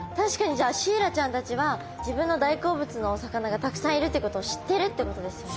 じゃあシイラちゃんたちは自分の大好物のお魚がたくさんいるってことを知ってるってことですよね。